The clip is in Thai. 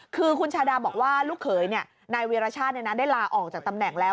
คือคุณชาดาบอกว่าลูกเขยนายวีรชาติได้ลาออกจากตำแหน่งแล้ว